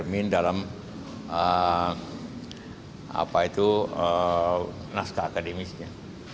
cermin dalam apa itu naskah akademisnya